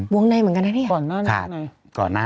วงในเหมือนกันนะเนี่ยก่อนหน้านั้นนะ